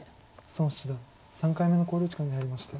孫七段３回目の考慮時間に入りました。